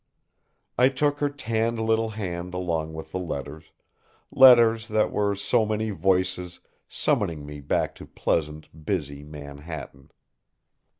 I took her tanned little hand along with the letters; letters that were so many voices summoning me back to pleasant, busy Manhattan.